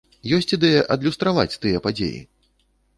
Ёсць ідэя адлюстраваць тыя падзеі?